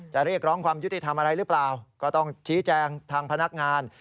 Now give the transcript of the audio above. เรียกร้องความยุติธรรมอะไรหรือเปล่าก็ต้องชี้แจงทางพนักงาน